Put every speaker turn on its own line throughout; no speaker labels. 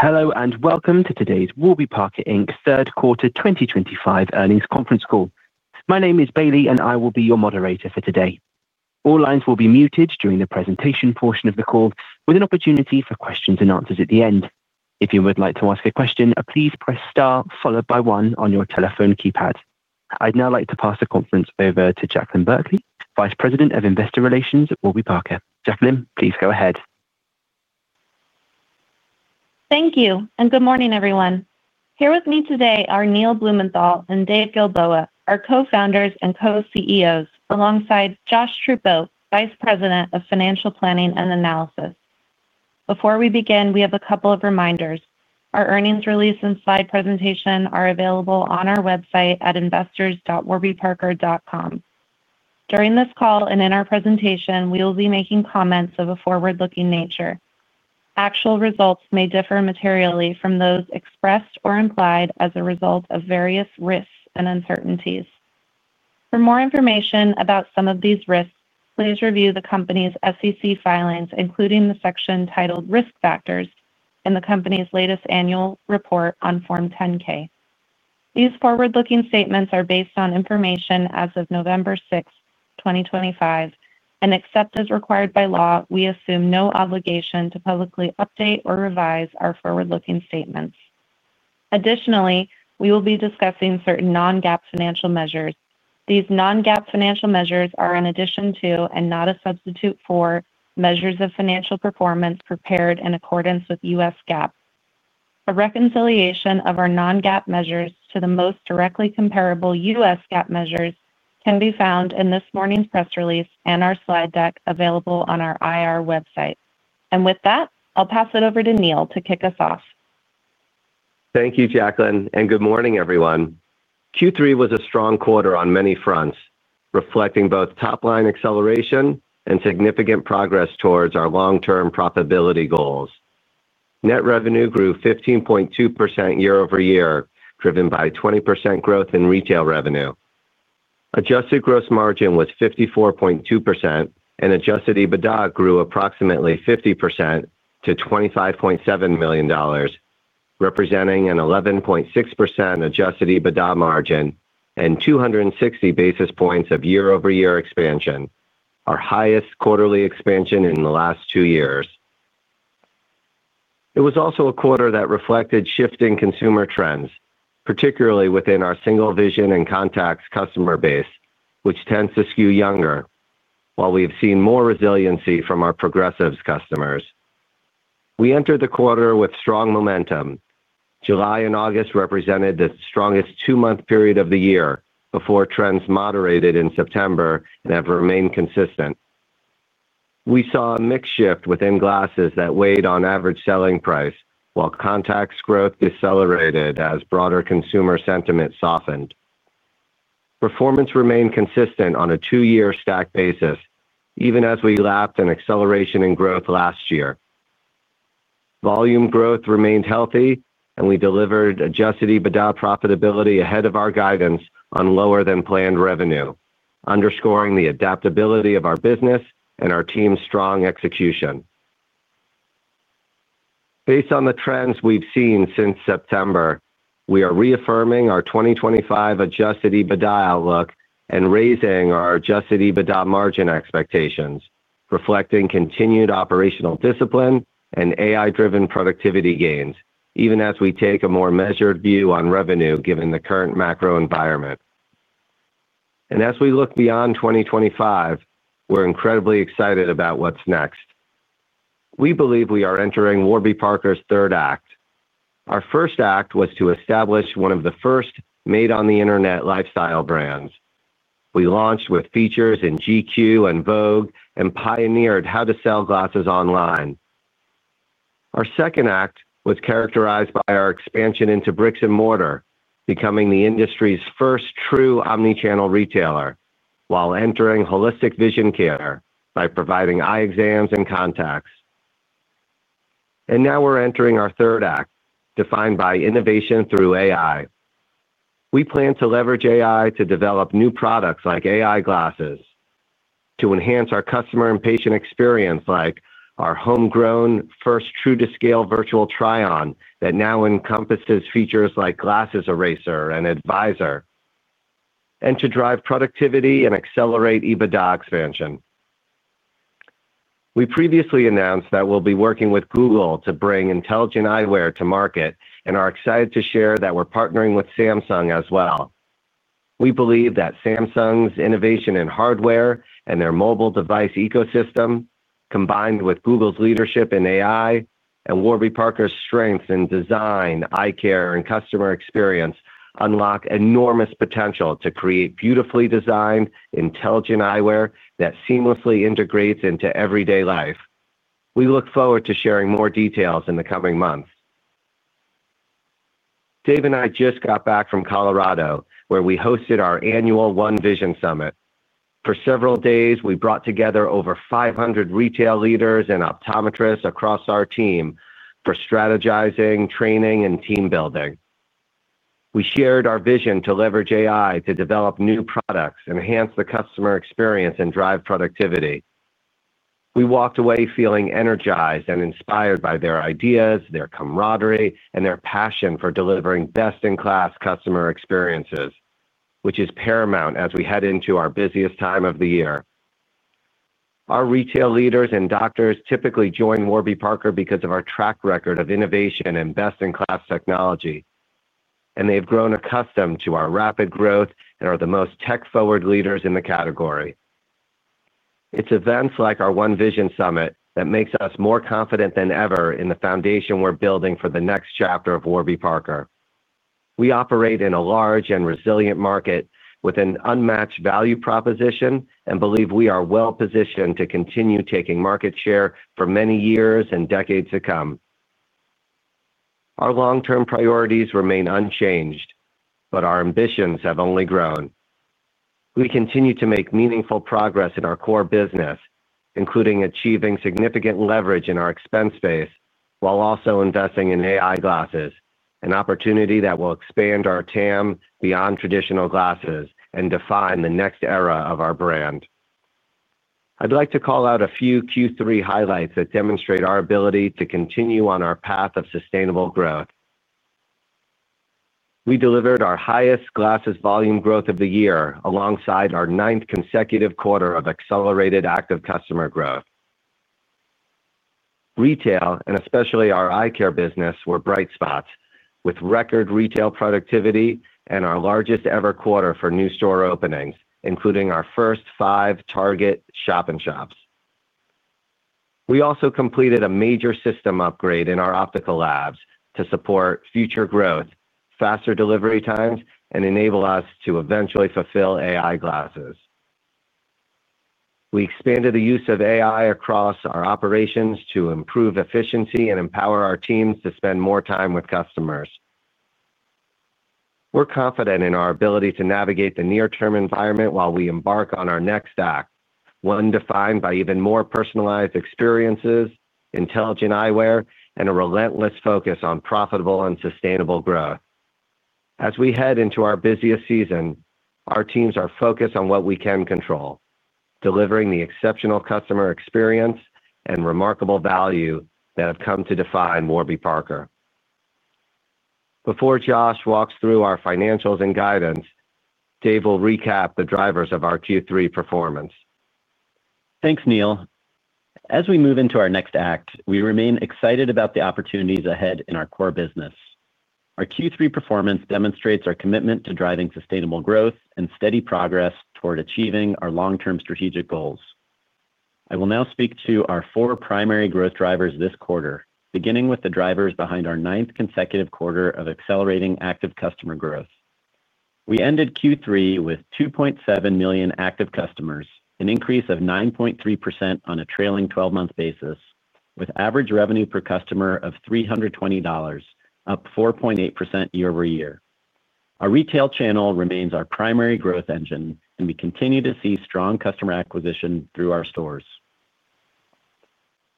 Hello and welcome to today's Warby Parker Third Quarter 2025 Earnings Conference Call. My name is Bailey, and I will be your Operarator for today. All lines will be muted during the presentation portion of the call, with an opportunity for Questions and Answers at the end. If you would like to ask a question, please press star followed by one on your telephone keypad. I'd now like to pass the conference over to Jaclyn Berkley, Vice President of Investor Relations at Warby Parker. Jaclyn, please go ahead.
Thank you, and good morning, everyone. Here with me today are Neil Blumenthal and Dave Gilboa, our co-founders and co-CEOs, alongside Joshua Truppo, Vice President of Financial Planning and Analysis. Before we begin, we have a couple of reminders. Our earnings release and slide presentation are available on our website at investors.warbyparker.com. During this call and in our presentation, we will be making comments of a forward-looking nature. Actual results may differ materially from those expressed or implied as a result of various risks and uncertainties. For more information about some of these risks, please review the company's SEC filings, including the section titled Risk Factors, in the company's latest annual report on Form 10-K. These forward-looking statements are based on information as of November 6, 2025, and except as required by law, we assume no obligation to publicly update or revise our forward-looking statements. Additionally, we will be discussing certain non-GAAP financial measures. These non-GAAP financial measures are an addition to, and not a substitute for, measures of financial performance prepared in accordance with US GAAP. A reconciliation of our non-GAAP measures to the most directly comparable US GAAP measures can be found in this morning's press release and our slide deck available on our IR website. With that, I'll pass it over to Neil to kick us off.
Thank you, Jaclyn, and good morning, everyone. Q3 was a strong quarter on many fronts, reflecting both top-line acceleration and significant progress towards our long-term profitability goals. Net revenue grew 15.2% year over year, driven by 20% growth in retail revenue. Adjusted Gross Margin was 54.2%, and Adjusted EBITDA grew approximately 50% to $25.79 million. Representing an 11.6% Adjusted EBITDA margin and 260 basis points of year-over-year expansion, our highest quarterly expansion in the last two years. It was also a quarter that reflected shifting consumer trends, particularly within our single vision and contacts customer base, which tends to skew younger, while we have seen more resiliency from our Progressives customers. We entered the quarter with strong momentum. July and August represented the strongest two-month period of the year before trends moderated in September and have remained consistent. We saw a mixed shift within glasses that weighed on average selling price, while contacts growth decelerated as broader consumer sentiment softened. Performance remained consistent on a two-year stack basis, even as we lapped an acceleration in growth last year. Volume growth remained healthy, and we delivered Adjusted EBITDA profitability ahead of our guidance on lower-than-planned revenue, underscoring the adaptability of our business and our team's strong execution. Based on the trends we've seen since September, we are reaffirming our 2025 Adjusted EBITDA outlook and raising our Adjusted EBITDA margin expectations, reflecting continued operational discipline and AI-driven productivity gains, even as we take a more measured view on revenue given the current macro environment. As we look beyond 2025, we're incredibly excited about what's next. We believe we are entering Warby Parker's third act. Our first act was to establish one of the first made-on-the-internet lifestyle brands. We launched with features in GQ and Vogue and pioneered how to sell glasses online. Our second act was characterized by our expansion into bricks and mortar, becoming the industry's first true omnichannel retailer, while entering holistic vision care by providing eye exams and contacts. Now we are entering our third act, defined by innovation through AI. We plan to leverage AI to develop new products like AI Glasses. To enhance our customer and patient experience, like our homegrown first true-to-scale virtual try-on that now encompasses features like Glasses Eraser and Advisor. To drive productivity and accelerate EBITDA expansion. We previously announced that we will be working with Google to bring intelligent eyewear to market, and are excited to share that we are partnering with Samsung as well. We believe that Samsung's innovation in hardware and their mobile device ecosystem, combined with Google's leadership in AI and Warby Parker's strength in design, eye care, and customer experience, unlock enormous potential to create beautifully designed intelligent eyewear that seamlessly integrates into everyday life. We look forward to sharing more details in the coming months. Dave and I just got back from Colorado, where we hosted our annual One Vision Summit. For several days, we brought together over 500 retail leaders and optometrists across our team for strategizing, training, and team building. We shared our vision to leverage AI to develop new products, enhance the customer experience, and drive productivity. We walked away feeling energized and inspired by their ideas, their camaraderie, and their passion for delivering best-in-class customer experiences, which is paramount as we head into our busiest time of the year. Our retail leaders and doctors typically join Warby Parker because of our track record of innovation and best-in-class technology, and they've grown customed to our rapid growth and are the most tech-forward leaders in the category. It's events like our One Vision Summit that make us more confident than ever in the foundation we're building for the next chapter of Warby Parker. We operate in a large and resilient market with an unmatched value proposition and believe we are well-positioned to continue taking market share for many years and decades to come. Our long-term priorities remain unchanged, but our ambitions have only grown. We continue to make meaningful progress in our core business, including achieving significant leverage in our expense space while also investing in AI Glasses, an opportunity that will expand our TAM beyond traditional glasses and define the next era of our brand. I'd like to call out a few Q3 highlights that demonstrate our ability to continue on our path of sustainable growth. We delivered our highest glasses volume growth of the year, alongside our ninth consecutive quarter of accelerated active customer growth. Retail, and especially our eye care business, were bright spots, with record retail productivity and our largest-ever quarter for new store openings, including our first five Target shop-in-shops. We also completed a major system upgrade in our optical labs to support future growth, faster delivery times, and enable us to eventually fulfill AI Glasses. We expanded the use of AI across our operations to improve efficiency and empower our teams to spend more time with customers. We're confident in our ability to navigate the near-term environment while we embark on our next act, one defined by even more personalized experiences, intelligent eyewear, and a relentless focus on profitable and sustainable growth. As we head into our busiest season, our teams are focused on what we can control, delivering the exceptional customer experience and remarkable value that have come to define Warby Parker. Before Joshua walks through our financials and guidance, Dave will recap the drivers of our Q3 performance.
Thanks, Neil. As we move into our next act, we remain excited about the opportunities ahead in our core business. Our Q3 performance demonstrates our commitment to driving sustainable growth and steady progress toward achieving our long-term strategic goals. I will now speak to our four primary growth drivers this quarter, beginning with the drivers behind our ninth consecutive quarter of accelerating active customer growth. We ended Q3 with 2.7 million active customers, an increase of 9.3% on a trailing 12-month basis, with average revenue per customer of $320, up 4.8% year over year. Our retail channel remains our primary growth engine, and we continue to see strong customer acquisition through our stores.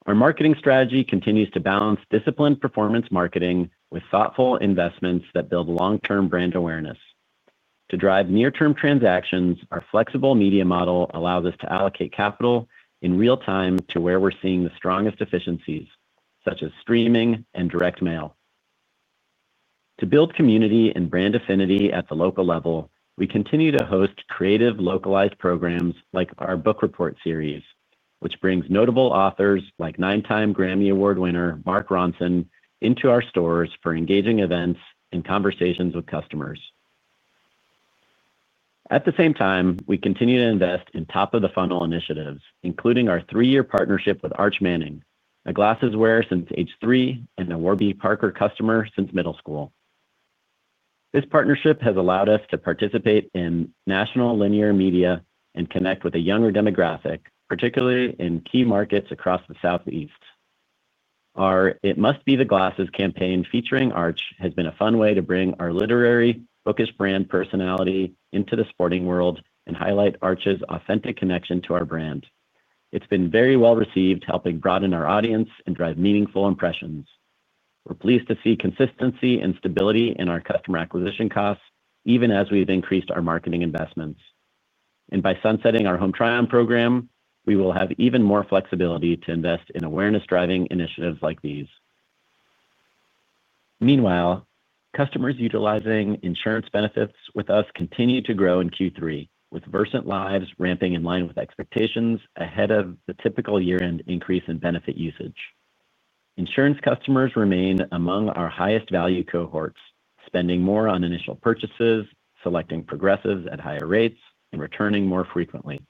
Our marketing strategy continues to balance disciplined performance marketing with thoughtful investments that build long-term brand awareness. To drive near-term transactions, our flexible media model allows us to allocate capital in real time to where we're seeing the strongest efficiencies, such as streaming and direct mail. To build community and brand affinity at the local level, we continue to host creative localized programs like our book report series, which brings notable authors like nine-time Grammy Award winner Mark Ronson into our stores for engaging events and conversations with customers. At the same time, we continue to invest in top-of-the-funnel initiatives, including our three-year partnership with Arch Manning, a glasses wearer since age three and a Warby Parker customer since middle school. This partnership has allowed us to participate in national linear media and connect with a younger demographic, particularly in key markets across the Southeast. Our "It Must Be the Glasses" campaign featuring Arch has been a fun way to bring our literary-focused brand personality into the sporting world and highlight Arch's authentic connection to our brand. It's been very well received, helping broaden our audience and drive meaningful impressions. We're pleased to see consistency and stability in our customer acquisition costs, even as we've increased our marketing investments. By sunsetting our Home Try-On program, we will have even more flexibility to invest in awareness-driving initiatives like these. Meanwhile, customers utilizing insurance benefits with us continue to grow in Q3, with Versant lives ramping in line with expectations ahead of the typical year-end increase in benefit usage. Insurance customers remain among our highest value cohorts, spending more on initial purchases, selecting Progressives at higher rates, and returning more frequently.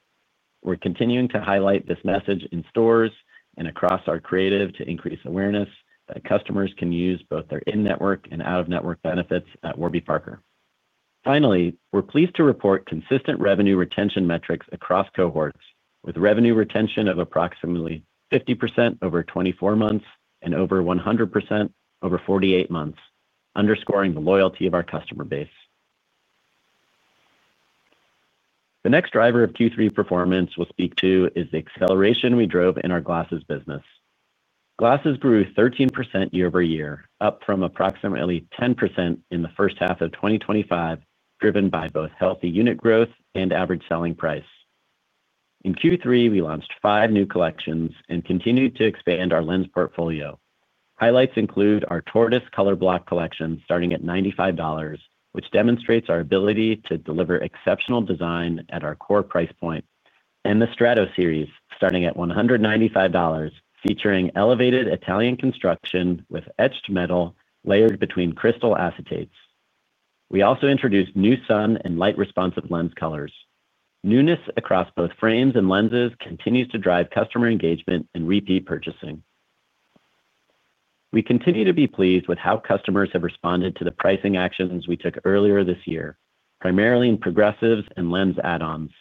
We're continuing to highlight this message in stores and across our creative to increase awareness that customers can use both their in-network and out-of-network benefits at Warby Parker. Finally, we're pleased to report consistent revenue retention metrics across cohorts, with revenue retention of approximately 50% over 24 months and over 100% over 48 months, underscoring the loyalty of our customer base. The next driver of Q3 performance we'll speak to is the acceleration we drove in our glasses business. Glasses grew 13% year over year, up from approximately 10% in the first half of 2025, driven by both healthy unit growth and average selling price. In Q3, we launched five new collections and continued to expand our lens portfolio. Highlights include our Tortoise Color Block collection starting at $95, which demonstrates our ability to deliver exceptional design at our core price point, and the Strato Series, starting at $195, featuring elevated Italian construction with etched metal layered between crystal acetates. We also introduced new sun and light-responsive lens colors. Newness across both frames and lenses continues to drive customer engagement and repeat purchasing. We continue to be pleased with how customers have responded to the pricing actions we took earlier this year, primarily in Progressives and lens add-ons.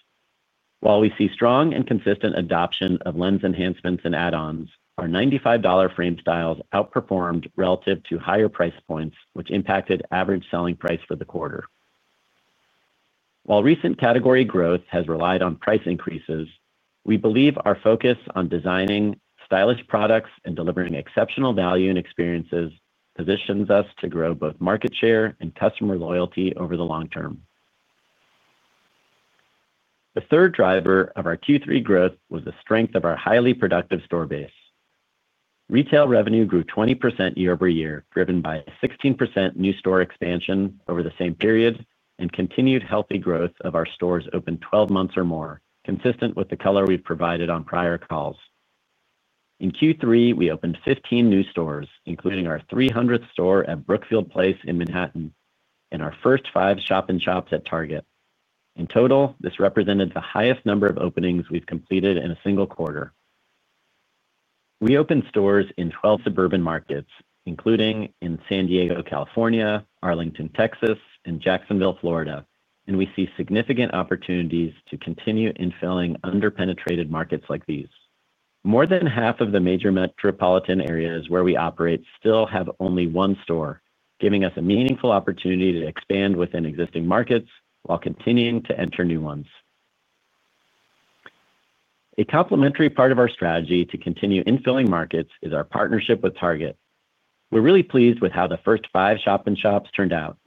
While we see strong and consistent adoption of lens enhancements and add-ons, our $95 frame styles outperformed relative to higher price points, which impacted average selling price for the quarter. While recent category growth has relied on price increases, we believe our focus on designing stylish products and delivering exceptional value and experiences positions us to grow both market share and customer loyalty over the long term. The third driver of our Q3 growth was the strength of our highly productive store base. Retail revenue grew 20% year over year, driven by a 16% new store expansion over the same period and continued healthy growth of our stores open 12 months or more, consistent with the color we have provided on prior calls. In Q3, we opened 15 new stores, including our 300th store at Brookfield Place in Manhattan and our first five shop-in-shops at Target. In total, this represented the highest number of openings we have completed in a single quarter. We opened stores in 12 suburban markets, including in San Diego, California, Arlington, Texas, and Jacksonville, Florida, and we see significant opportunities to continue infilling under-penetrated markets like these. More than half of the major metropolitan areas where we operate still have only one store, giving us a meaningful opportunity to expand within existing markets while continuing to enter new ones. A complementary part of our strategy to continue infilling markets is our partnership with Target. We're really pleased with how the first five shop-in-shops turned out.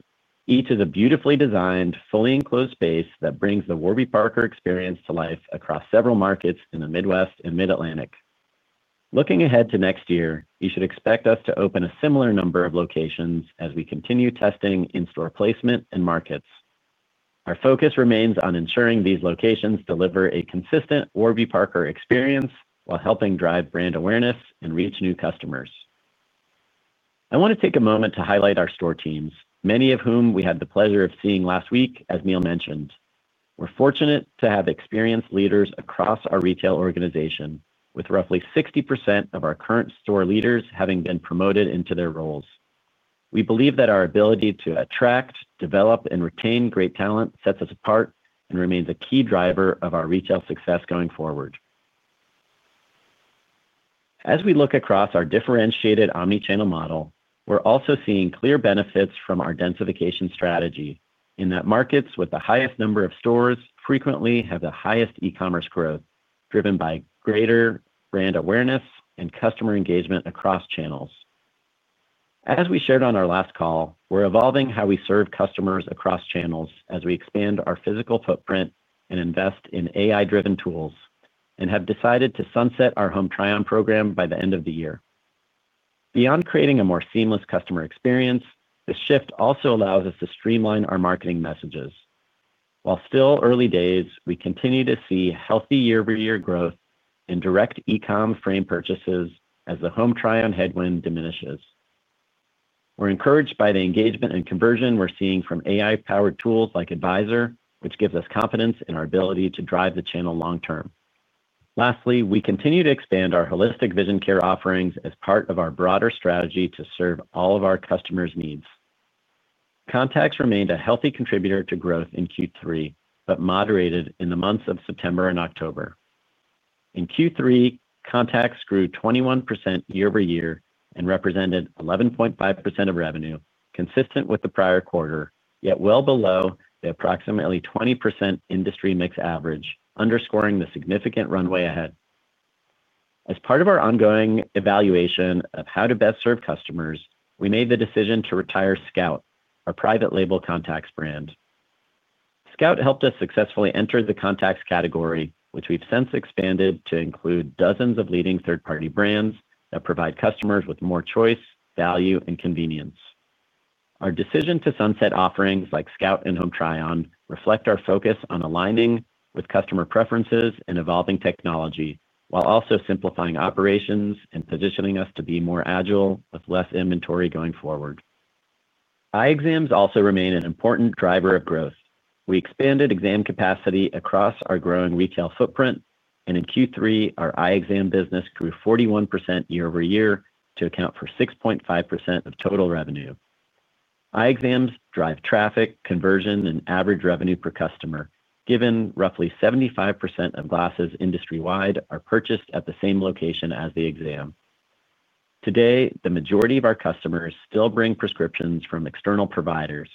Each is a beautifully designed, fully enclosed space that brings the Warby Parker experience to life across several markets in the Midwest and Mid-Atlantic. Looking ahead to next year, you should expect us to open a similar number of locations as we continue testing in-store placement and markets. Our focus remains on ensuring these locations deliver a consistent Warby Parker experience while helping drive brand awareness and reach new customers. I want to take a moment to highlight our store teams, many of whom we had the pleasure of seeing last week, as Neil mentioned. We're fortunate to have experienced leaders across our retail organization, with roughly 60% of our current store leaders having been promoted into their roles. We believe that our ability to attract, develop, and retain great talent sets us apart and remains a key driver of our retail success going forward. As we look across our differentiated omnichannel model, we're also seeing clear benefits from our densification strategy in that markets with the highest number of stores frequently have the highest e-commerce growth, driven by greater brand awareness and customer engagement across channels. As we shared on our last call, we're evolving how we serve customers across channels as we expand our physical footprint and invest in AI-driven tools and have decided to sunset our Home Try-On program by the end of the year. Beyond creating a more seamless customer experience, the shift also allows us to streamline our marketing messages. While still early days, we continue to see healthy year-over-year growth in direct e-com frame purchases as the Home Try-On headwind diminishes. We're encouraged by the engagement and conversion we're seeing from AI-powered tools like Advisor, which gives us confidence in our ability to drive the channel long term. Lastly, we continue to expand our holistic vision care offerings as part of our broader strategy to serve all of our customers' needs. Contacts remained a healthy contributor to growth in Q3, but moderated in the months of September and October. In Q3, contacts grew 21% year over year and represented 11.5% of revenue, consistent with the prior quarter, yet well below the approximately 20% industry mix average, underscoring the significant runway ahead. As part of our ongoing evaluation of how to best serve customers, we made the decision to retire Scout, our private label contacts brand. Scout helped us successfully enter the contacts category, which we've since expanded to include dozens of leading third-party brands that provide customers with more choice, value, and convenience. Our decision to sunset offerings like Scout and Home Try-On reflects our focus on aligning with customer preferences and evolving technology, while also simplifying operations and positioning us to be more agile with less inventory going forward. Eye exams also remain an important driver of growth. We expanded exam capacity across our growing retail footprint, and in Q3, our eye exam business grew 41% year over year to account for 6.5% of total revenue. Eye exams drive traffic, conversion, and average revenue per customer, given roughly 75% of glasses industry-wide are purchased at the same location as the exam. Today, the majority of our customers still bring prescriptions from external providers,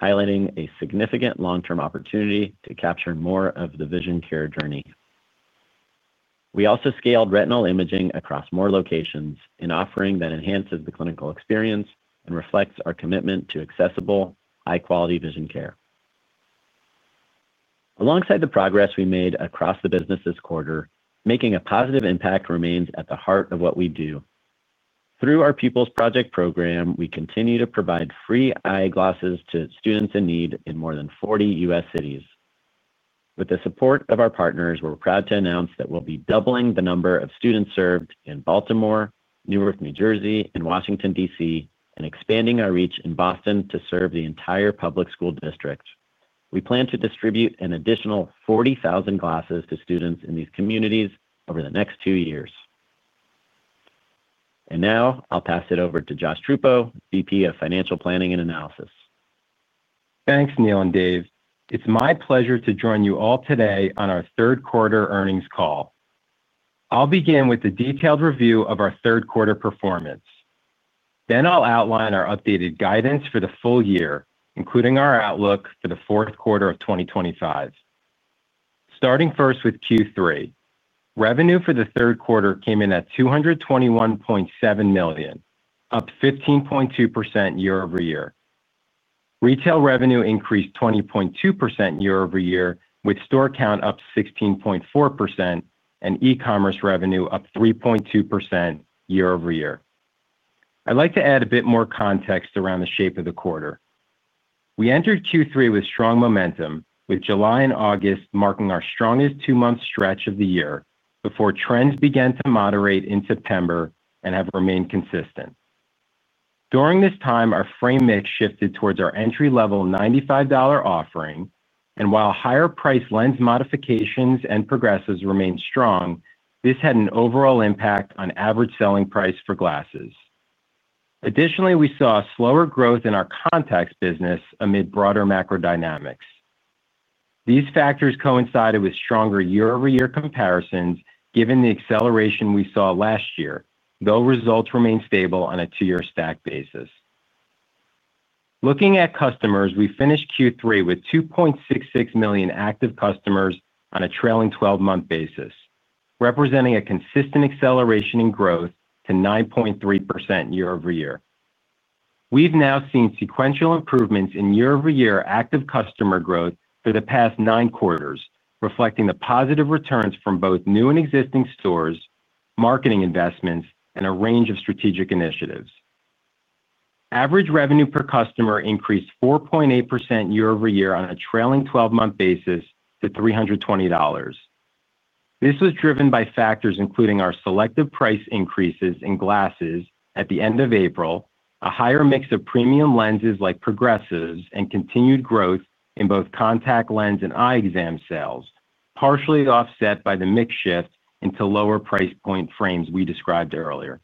highlighting a significant long-term opportunity to capture more of the vision care journey. We also scaled retinal imaging across more locations in an offering that enhances the clinical experience and reflects our commitment to accessible, high-quality vision care. Alongside the progress we made across the business this quarter, making a positive impact remains at the heart of what we do. Through our Pupils Project program, we continue to provide free eyeglasses to students in need in more than 40 U.S. cities. With the support of our partners, we're proud to announce that we'll be doubling the number of students served in Baltimore, Newark, New Jersey, and Washington, D.C., and expanding our reach in Boston to serve the entire public school district. We plan to distribute an additional 40,000 glasses to students in these communities over the next two years. Now, I'll pass it over to Joshua Truppo, Vice President of Financial Planning and Analysis.
Thanks, Neil and Dave. It's my pleasure to join you all today on our third-quarter earnings call. I'll begin with a detailed review of our third-quarter performance. Then I'll outline our updated guidance for the full year, including our outlook for the fourth quarter of 2025. Starting first with Q3, revenue for the third quarter came in at $221.7 million, up 15.2% year over year. Retail revenue increased 20.2% year over year, with store count up 16.4% and e-commerce revenue up 3.2% year over year. I'd like to add a bit more context around the shape of the quarter. We entered Q3 with strong momentum, with July and August marking our strongest two-month stretch of the year before trends began to moderate in September and have remained consistent. During this time, our frame mix shifted towards our entry-level $95 offering, and while higher-priced lens modifications and Progressives remained strong, this had an overall impact on average selling price for glasses. Additionally, we saw slower growth in our contacts business amid broader macro dynamics. These factors coincided with stronger year-over-year comparisons, given the acceleration we saw last year, though results remained stable on a two-year stack basis. Looking at customers, we finished Q3 with 2.66 million active customers on a trailing 12-month basis, representing a consistent acceleration in growth to 9.3% year over year. We've now seen sequential improvements in year-over-year active customer growth for the past nine quarters, reflecting the positive returns from both new and existing stores, marketing investments, and a range of strategic initiatives. Average revenue per customer increased 4.8% year over year on a trailing 12-month basis to $320. This was driven by factors including our selective price increases in glasses at the end of April, a higher mix of premium lenses like Progressives, and continued growth in both contact lens and eye exam sales, partially offset by the mix shift into lower price point frames we described earlier.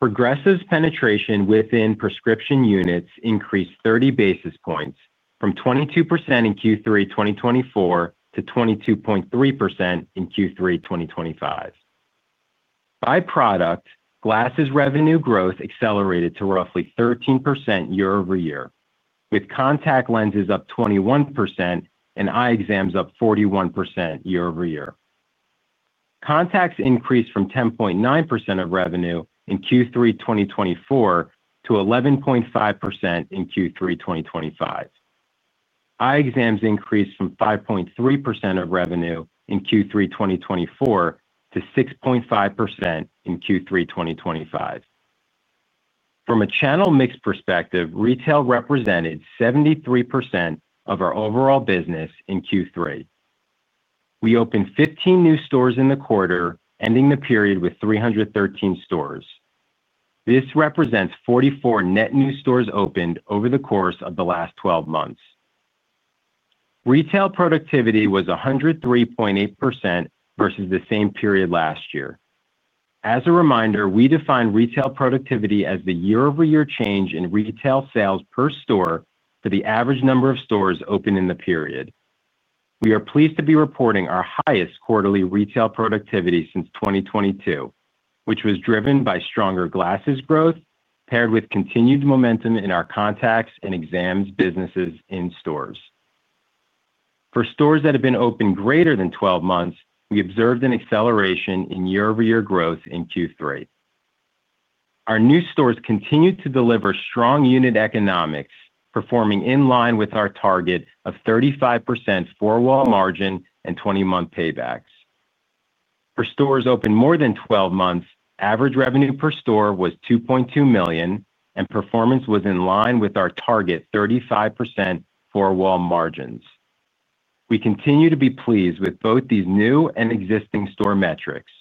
Progressives' penetration within prescription units increased 30 basis points, from 22% in Q3 2024 to 22.3% in Q3 2025. By product, glasses revenue growth accelerated to roughly 13% year over year, with contact lenses up 21% and eye exams up 41% year over year. Contacts increased from 10.9% of revenue in Q3 2024 to 11.5% in Q3 2025. Eye exams increased from 5.3% of revenue in Q3 2024 to 6.5% in Q3 2025. From a channel mix perspective, retail represented 73% of our overall business in Q3. We opened 15 new stores in the quarter, ending the period with 313 stores. This represents 44 net new stores opened over the course of the last 12 months. Retail productivity was 103.8% versus the same period last year. As a reminder, we define retail productivity as the year-over-year change in retail sales per store for the average number of stores opened in the period. We are pleased to be reporting our highest quarterly retail productivity since 2022, which was driven by stronger glasses growth paired with continued momentum in our contacts and exams businesses in stores. For stores that have been opened greater than 12 months, we observed an acceleration in year-over-year growth in Q3. Our new stores continued to deliver strong unit economics, performing in line with our target of 35% Four-Wall Margin and 20-month paybacks. For stores opened more than 12 months, average revenue per store was $2.2 million, and performance was in line with our target 35% Four-Wall Margins. We continue to be pleased with both these new and existing store metrics,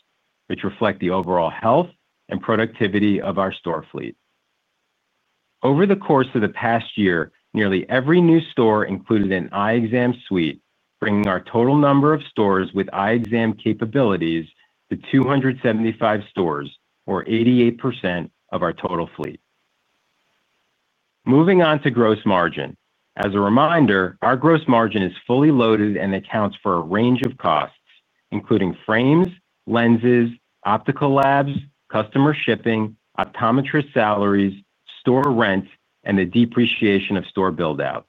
which reflect the overall health and productivity of our store fleet. Over the course of the past year, nearly every new store included an eye exam suite, bringing our total number of stores with eye exam capabilities to 275 stores, or 88% of our total fleet. Moving on to gross margin. As a reminder, our gross margin is fully loaded and accounts for a range of costs, including frames, lenses, optical labs, customer shipping, optometrist salaries, store rent, and the depreciation of store buildouts.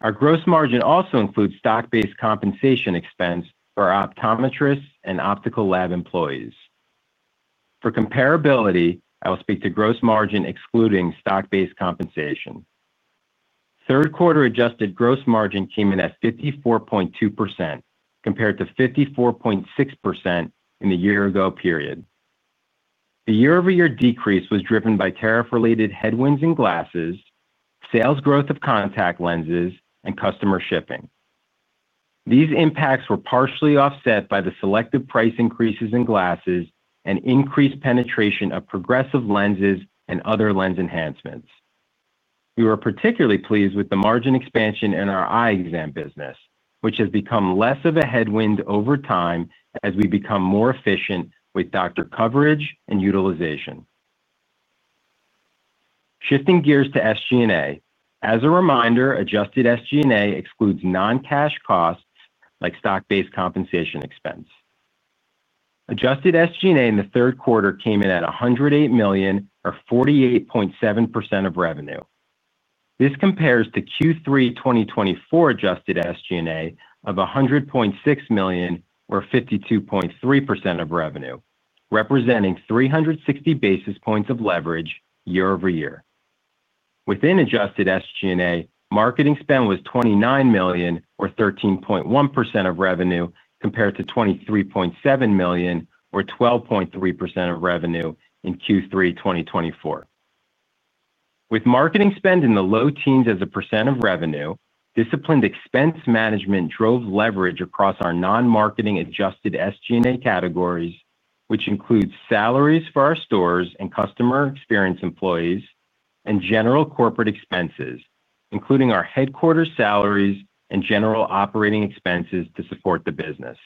Our gross margin also includes stock-based compensation expense for our optometrists and optical lab employees. For comparability, I will speak to gross margin excluding stock-based compensation. Third-quarter Adjusted Gross Margin came in at 54.2% compared to 54.6% in the year-ago period. The year-over-year decrease was driven by tariff-related headwinds in glasses, sales growth of contact lenses, and customer shipping. These impacts were partially offset by the selective price increases in glasses and increased penetration of progressive lenses and other lens enhancements. We were particularly pleased with the margin expansion in our eye exam business, which has become less of a headwind over time as we become more efficient with doctor coverage and utilization. Shifting gears to SG&A. As a reminder, Adjusted SG&A excludes non-cash costs like stock-based compensation expense. Adjusted SG&A in the third quarter came in at $108 million, or 48.7% of revenue. This compares to Q3 2024 Adjusted SG&A of $100.6 million, or 52.3% of revenue, representing 360 basis points of leverage year over year. Within Adjusted SG&A, marketing spend was $29 million, or 13.1% of revenue, compared to $23.7 million, or 12.3% of revenue in Q3 2024. With marketing spend in the low teens as a % of revenue, disciplined expense management drove leverage across our non-marketing Adjusted SG&A categories, which includes salaries for our stores and customer experience employees and general corporate expenses, including our headquarters salaries and general operating expenses to support the business.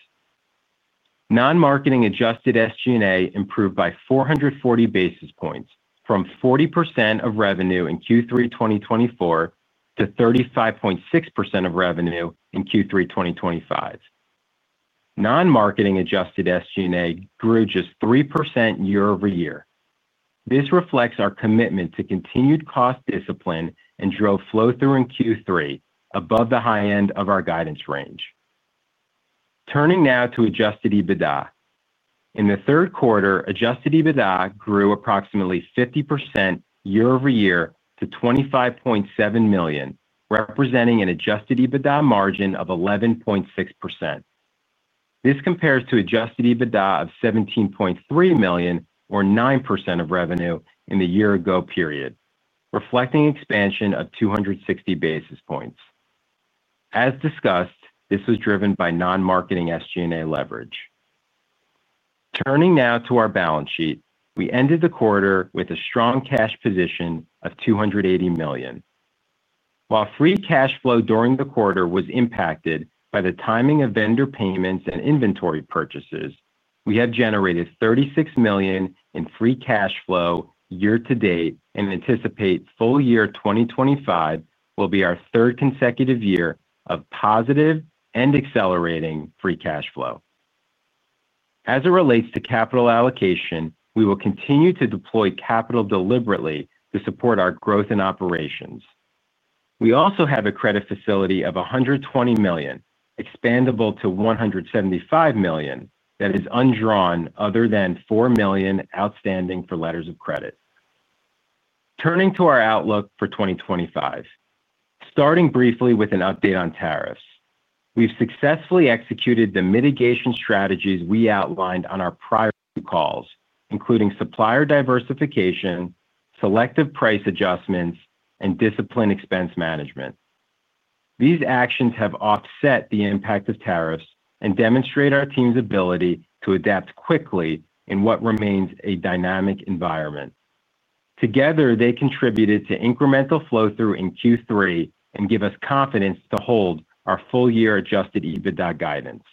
Non-marketing Adjusted SG&A improved by 440 basis points, from 40% of revenue in Q3 2024 to 35.6% of revenue in Q3 2025. Non-marketing Adjusted SG&A grew just 3% year over year. This reflects our commitment to continued cost discipline and drove flow-through in Q3 above the high end of our guidance range. Turning now to Adjusted EBITDA. In the third quarter, Adjusted EBITDA grew approximately 50% year over year to $25.7 million, representing an Adjusted EBITDA margin of 11.6%. This compares to Adjusted EBITDA of $17.3 million, or 9% of revenue in the year-ago period, reflecting expansion of 260 basis points. As discussed, this was driven by non-marketing SG&A leverage. Turning now to our balance sheet, we ended the quarter with a strong cash position of $280 million. While free cash flow during the quarter was impacted by the timing of vendor payments and inventory purchases, we have generated $36 million in free cash flow year to date and anticipate full year 2025 will be our third consecutive year of positive and accelerating free cash flow. As it relates to capital allocation, we will continue to deploy capital deliberately to support our growth and operations. We also have a credit facility of $120 million, expandable to $175 million, that is undrawn other than $4 million outstanding for letters of credit. Turning to our outlook for 2025. Starting briefly with an update on tariffs. We've successfully executed the mitigation strategies we outlined on our prior calls, including supplier diversification, selective price adjustments, and disciplined expense management. These actions have offset the impact of tariffs and demonstrate our team's ability to adapt quickly in what remains a dynamic environment. Together, they contributed to incremental flow-through in Q3 and give us confidence to hold our full-year Adjusted EBITDA guidance.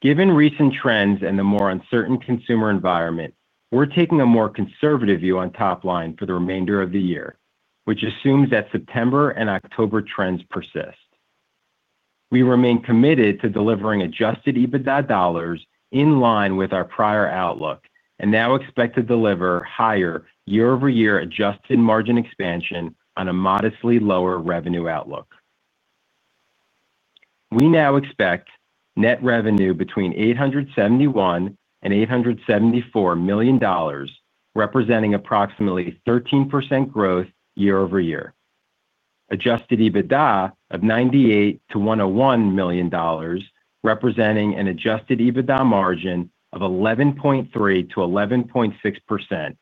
Given recent trends and the more uncertain consumer environment, we're taking a more conservative view on top line for the remainder of the year, which assumes that September and October trends persist. We remain committed to delivering Adjusted EBITDA dollars in line with our prior outlook and now expect to deliver higher year-over-year adjusted margin expansion on a modestly lower revenue outlook. We now expect net revenue between $871-$874 million, representing approximately 13% growth year over year. Adjusted EBITDA of $98-$101 million. Representing an Adjusted EBITDA margin of 11.3-11.6%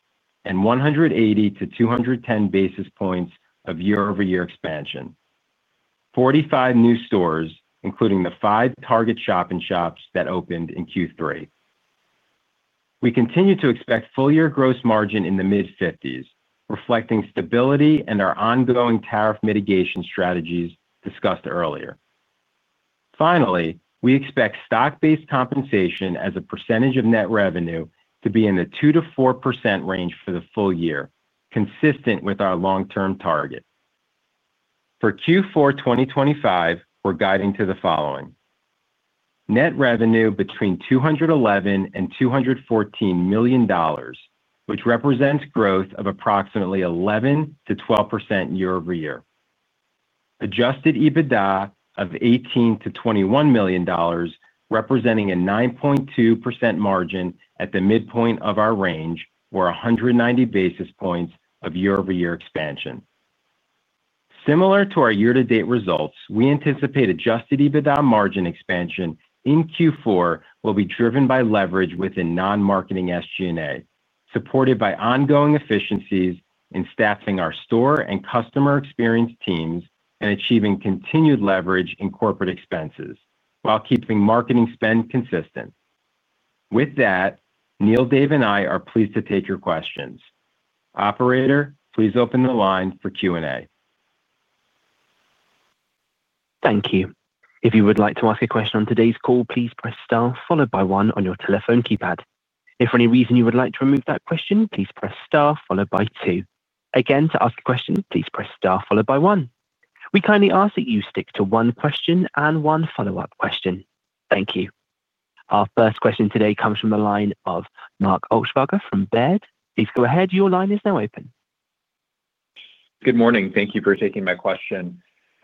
and 180-210 basis points of year-over-year expansion. Forty-five new stores, including the five Target shop-in-shops that opened in Q3. We continue to expect full-year gross margin in the mid-50s, reflecting stability and our ongoing tariff mitigation strategies discussed earlier. Finally, we expect stock-based compensation as a percentage of net revenue to be in the 2-4% range for the full year, consistent with our long-term target. For Q4 2025, we're guiding to the following. Net revenue between $211 million and $214 million, which represents growth of approximately 11-12% year over year. Adjusted EBITDA of $18 million-$21 million, representing a 9.2% margin at the midpoint of our range, or 190 basis points of year-over-year expansion. Similar to our year-to-date results, we anticipate Adjusted EBITDA margin expansion in Q4 will be driven by leverage within non-marketing SG&A, supported by ongoing efficiencies in staffing our store and customer experience teams and achieving continued leverage in corporate expenses while keeping marketing spend consistent. With that, Neil, Dave, and I are pleased to take your questions. Operator, please open the line for Q&A.
Thank you. If you would like to ask a question on today's call, please press star followed by one on your telephone keypad. If for any reason you would like to remove that question, please press star followed by two. Again, to ask a question, please press star followed by one. We kindly ask that you stick to one question and one follow-up question. Thank you. Our first question today comes from the line of Mark Altschwager from Baird. Please go ahead. Your line is now open.
Good morning. Thank you for taking my question.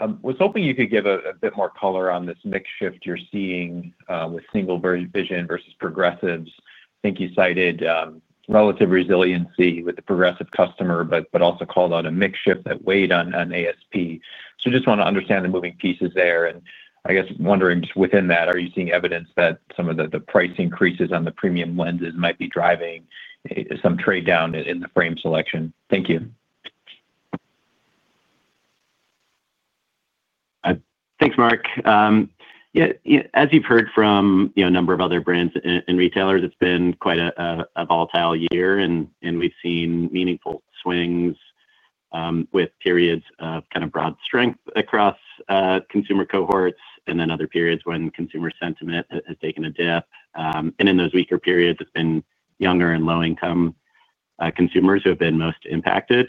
I was hoping you could give a bit more color on this mix shift you're seeing with single vision versus Progressives. I think you cited relative resiliency with the progressive customer, but also called out a mix shift that weighed on ASP. I just want to understand the moving pieces there. I guess wondering just within that, are you seeing evidence that some of the price increases on the premium lenses might be driving some trade down in the frame selection? Thank you.
Thanks, Mark. As you've heard from a number of other brands and retailers, it's been quite a volatile year. We've seen meaningful swings, with periods of kind of broad strength across consumer cohorts and then other periods when consumer sentiment has taken a dip. In those weaker periods, it's been younger and low-income consumers who have been most impacted.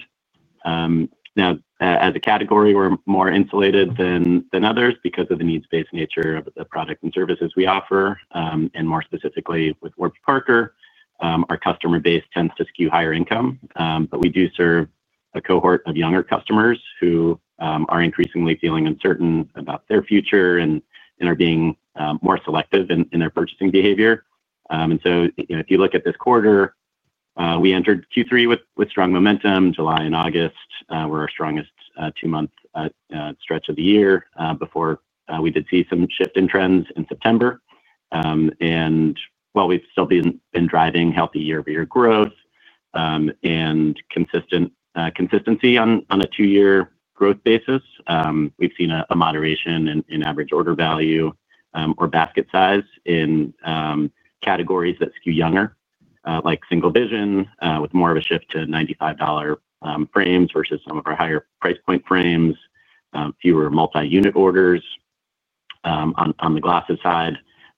Now, as a category, we're more insulated than others because of the needs-based nature of the product and services we offer. More specifically, with Warby Parker, our customer base tends to skew higher income. We do serve a cohort of younger customers who are increasingly feeling uncertain about their future and are being more selective in their purchasing behavior. If you look at this quarter, we entered Q3 with strong momentum. July and August were our strongest two-month stretch of the year before we did see some shift in trends in September. While we've still been driving healthy year-over-year growth and consistency on a two-year growth basis, we've seen a moderation in average order value or basket size in categories that skew younger, like single vision, with more of a shift to $95 frames versus some of our higher price point frames, fewer multi-unit orders on the glasses side,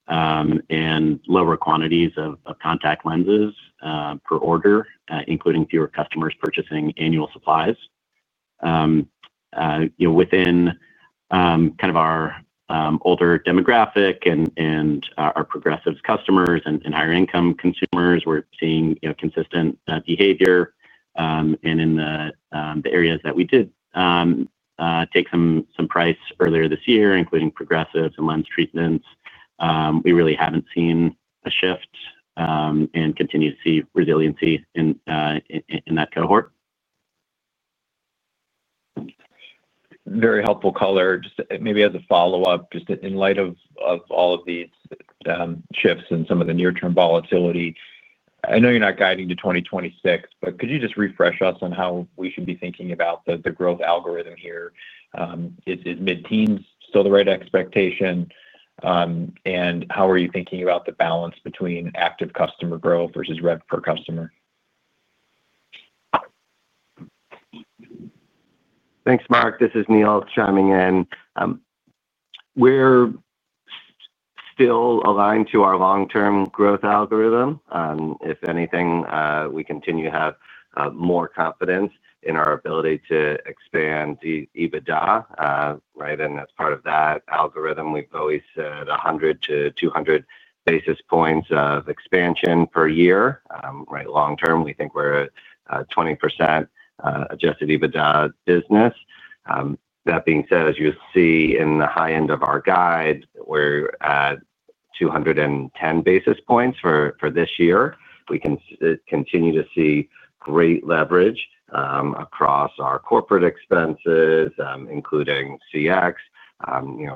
and lower quantities of contact lenses per order, including fewer customers purchasing annual supplies. Within kind of our older demographic and our progressive customers and higher-income consumers, we're seeing consistent behavior. In the areas that we did take some price earlier this year, including Progressives and lens treatments, we really haven't seen a shift and continue to see resiliency in that cohort.
Very helpful color. Just maybe as a follow-up, just in light of all of these shifts and some of the near-term volatility, I know you're not guiding to 2026, but could you just refresh us on how we should be thinking about the growth algorithm here? Is mid-teens still the right expectation? How are you thinking about the balance between active customer growth versus revenue per customer?
Thanks, Mark. This is Neil chiming in. We're still aligned to our long-term growth algorithm. If anything, we continue to have more confidence in our ability to expand EBITDA. Right? And as part of that algorithm, we've always said 100-200 basis points of expansion per year. Right? Long term, we think we're at 20% Adjusted EBITDA business. That being said, as you'll see in the high end of our guide, we're at 210 basis points for this year. We can continue to see great leverage across our corporate expenses, including CX.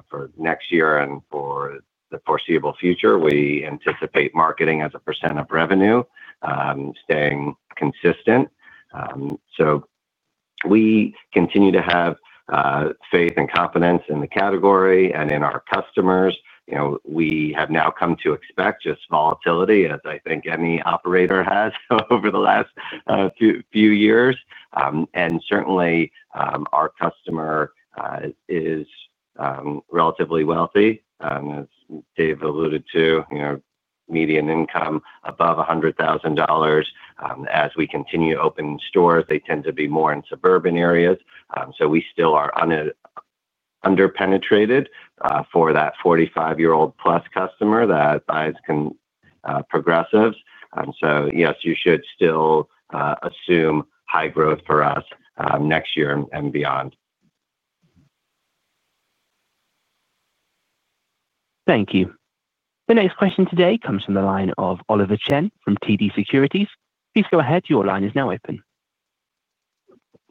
For next year and for the foreseeable future, we anticipate marketing as a percent of revenue staying consistent. We continue to have faith and confidence in the category and in our customers. We have now come to expect just volatility, as I think any operator has over the last few years. And certainly, our customer is. Relatively wealthy, as Dave alluded to. Median income above $100,000. As we continue to open stores, they tend to be more in suburban areas. We still are under-penetrated for that 45-year-old-plus customer that buys Progressives. Yes, you should still assume high growth for us next year and beyond.
Thank you. The next question today comes from the line of Oliver Chen from TD Securities. Please go ahead. Your line is now open.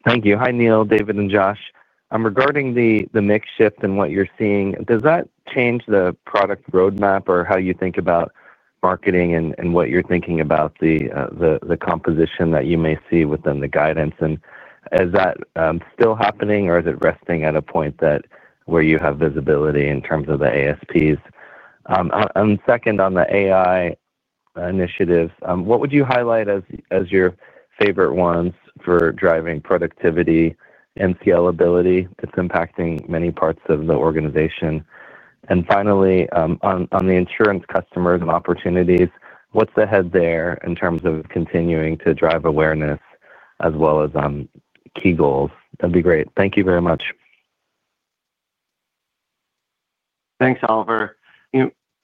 Thank you. Hi, Neil, Dave, and Josh. Regarding the mix shift and what you're seeing, does that change the product roadmap or how you think about marketing and what you're thinking about the composition that you may see within the guidance? Is that still happening, or is it resting at a point where you have visibility in terms of the ASPs? Second, on the AI initiatives, what would you highlight as your favorite ones for driving productivity and scalability? It's impacting many parts of the organization. Finally, on the insurance customers and opportunities, what's ahead there in terms of continuing to drive awareness as well as key goals? That'd be great. Thank you very much.
Thanks, Oliver.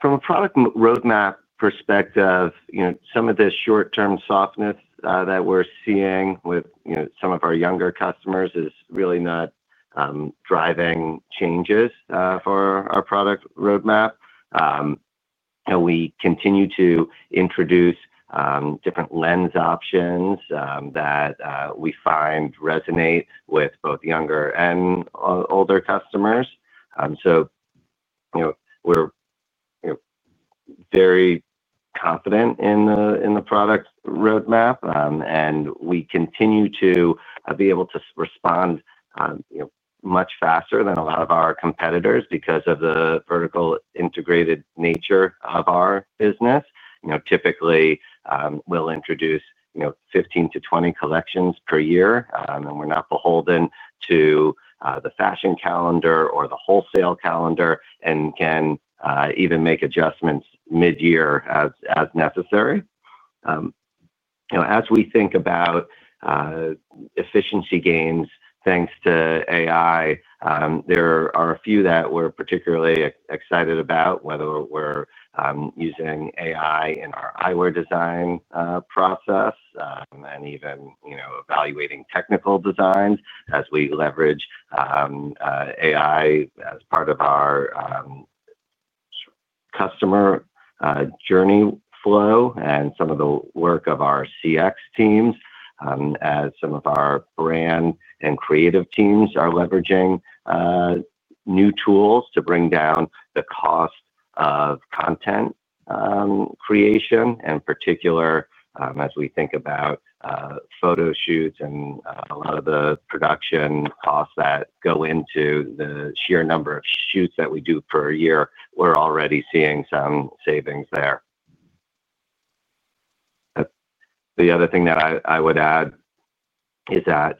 From a product roadmap perspective, some of this short-term softness that we're seeing with some of our younger customers is really not driving changes for our product roadmap. We continue to introduce different lens options that we find resonate with both younger and older customers. We are very confident in the product roadmap. We continue to be able to respond much faster than a lot of our competitors because of the vertically integrated nature of our business. Typically, we will introduce 15-20 collections per year. We are not beholden to the fashion calendar or the wholesale calendar and can even make adjustments mid-year as necessary. As we think about efficiency gains thanks to AI, there are a few that we are particularly excited about, whether we are using AI in our eyewear design process and even evaluating technical designs as we leverage AI as part of our customer. Journey flow and some of the work of our CX teams. As some of our brand and creative teams are leveraging new tools to bring down the cost of content creation. In particular, as we think about photo shoots and a lot of the production costs that go into the sheer number of shoots that we do per year, we're already seeing some savings there. The other thing that I would add is that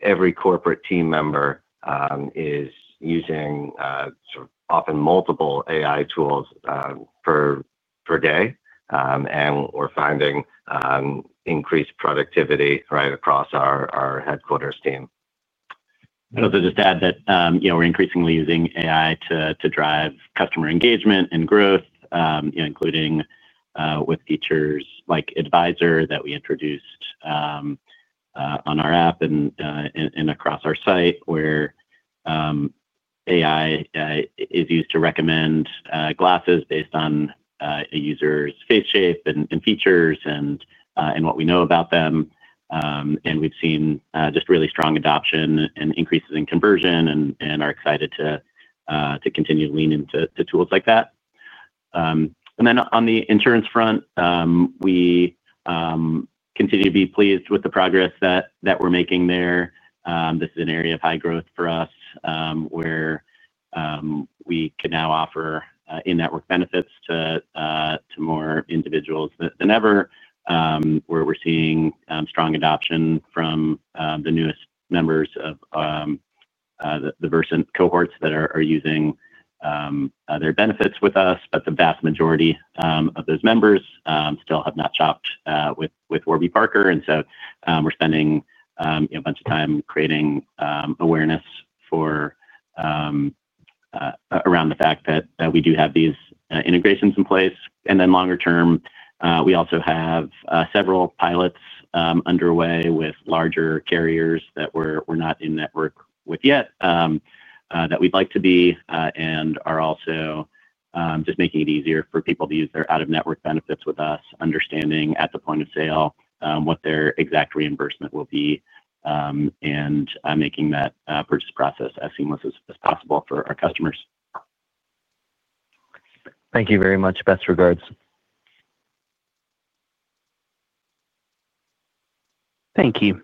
every corporate team member is using often multiple AI tools per day, and we're finding increased productivity right across our headquarters team. I'd also just add that we're increasingly using AI to drive customer engagement and growth, including with features like Advisor that we introduced on our app and across our site where AI is used to recommend glasses based on a user's face shape and features and what we know about them. We have seen just really strong adoption and increases in conversion and are excited to continue to lean into tools like that. On the insurance front, we continue to be pleased with the progress that we are making there. This is an area of high growth for us, where we can now offer in-network benefits to more individuals than ever. We are seeing strong adoption from the newest members of the Versant cohorts that are using their benefits with us. The vast majority of those members still have not shopped with Warby Parker, so we are spending a bunch of time creating awareness around the fact that we do have these integrations in place. Longer term, we also have several pilots underway with larger carriers that we are not in-network with yet that we would like to be and are also. Just making it easier for people to use their out-of-network benefits with us, understanding at the point of sale what their exact reimbursement will be. Making that purchase process as seamless as possible for our customers.
Thank you very much. Best regards.
Thank you.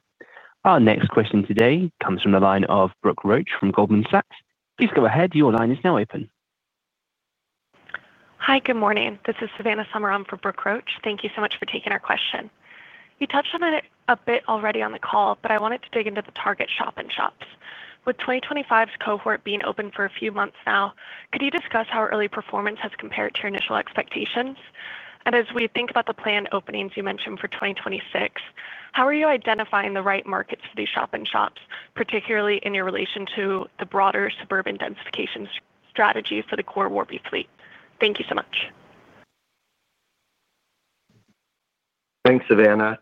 Our next question today comes from the line of Brooke Roach from Goldman Sachs. Please go ahead. Your line is now open.
Hi, good morning. This is Savannah Sommer. I'm for Brooke Roach. Thank you so much for taking our question. You touched on it a bit already on the call, but I wanted to dig into the Target shop-in-shops. With 2025's cohort being open for a few months now, could you discuss how early performance has compared to your initial expectations? As we think about the planned openings you mentioned for 2026, how are you identifying the right markets for these shop-in-shops, particularly in relation to the broader suburban densification strategy for the core Warby Parker fleet? Thank you so much.
Thanks, Savannah.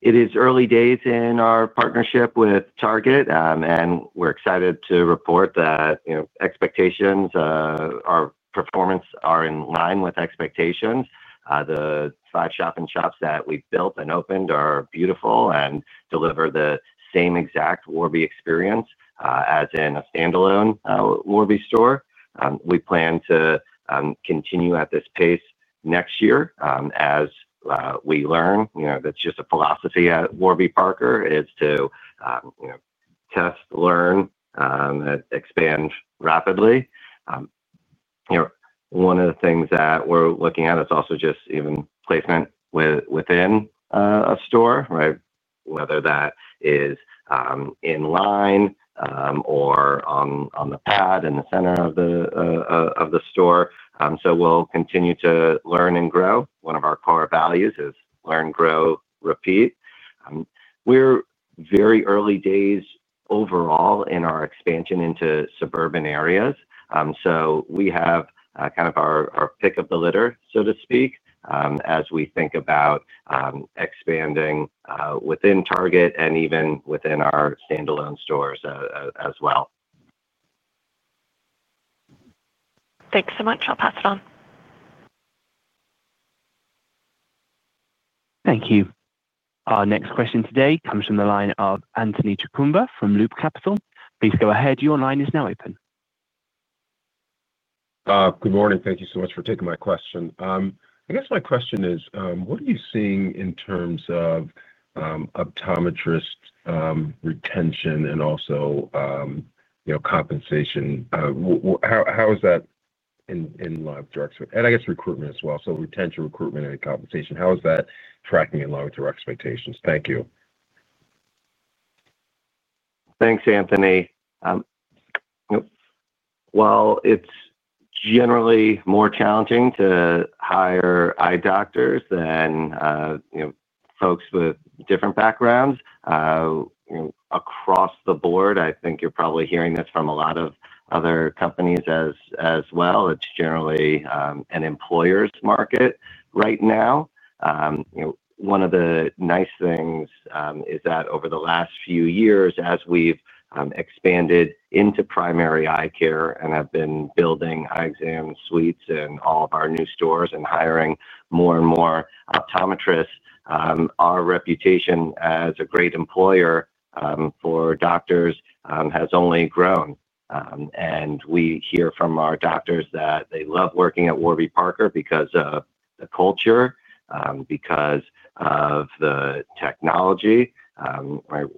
It is early days in our partnership with Target. We're excited to report that our performance is in line with expectations. The five shop-in-shops that we've built and opened are beautiful and deliver the same exact Warby Parker experience as in a standalone Warby Parker store. We plan to continue at this pace next year as we learn. That's just a philosophy at Warby Parker, to test, learn, and expand rapidly. One of the things that we're looking at is also just even placement within a store, right? Whether that is in line or on the pad in the center of the store. We'll continue to learn and grow. One of our core values is learn, grow, repeat. We're very early days overall in our expansion into suburban areas. We have kind of our pick of the litter, so to speak, as we think about expanding within Target and even within our standalone stores as well.
Thanks so much. I'll pass it on.
Thank you. Our next question today comes from the line of Anthony Chukumba from Loop Capital. Please go ahead. Your line is now open.
Good morning. Thank you so much for taking my question. I guess my question is, what are you seeing in terms of Optometrist Retention and also Compensation? How is that in line with your expectations? I guess recruitment as well. Retention, recruitment, and compensation, how is that tracking in line with your expectations? Thank you.
Thanks, Anthony. It's generally more challenging to hire eye doctors than folks with different backgrounds. Across the board, I think you're probably hearing this from a lot of other companies as well. It's generally an employer's market right now. One of the nice things is that over the last few years, as we've expanded into primary eye care and have been building eye exam suites in all of our new stores and hiring more and more Optometrists, our reputation as a great employer for doctors has only grown. We hear from our doctors that they love working at Warby Parker because of the culture, because of the technology.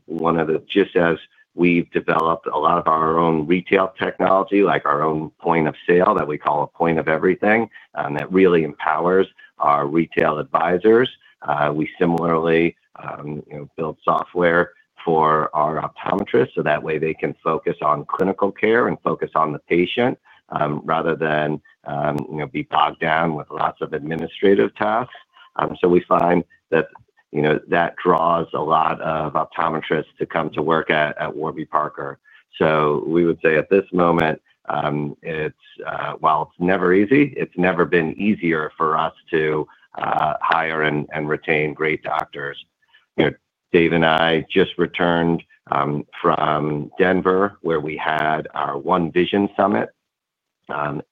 One of the gifts as we've developed a lot of our own retail technology, like our own point of sale that we call a point of everything, that really empowers our retail advisors. We similarly. Build software for our Optometrists so that way they can focus on clinical care and focus on the patient rather than be bogged down with lots of administrative tasks. We find that draws a lot of optometrists to come to work at Warby Parker. We would say at this moment, while it's never easy, it's never been easier for us to hire and retain great doctors. Dave and I just returned from Denver where we had our One Vision Summit.